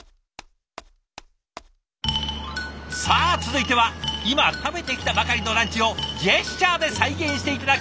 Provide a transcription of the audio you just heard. さあ続いては今食べてきたばかりのランチをジェスチャーで再現して頂く